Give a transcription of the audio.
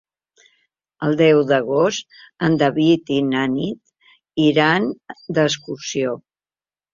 El deu d'agost en David i na Nit iran d'excursió.